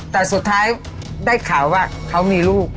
แต่สุดท้ายได้ข่าวว่าเขามีลูก